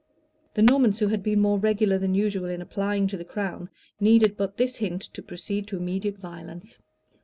The Normans, who had been more regular than usual in applying to the crown, needed but this hint to proceed to immediate violence.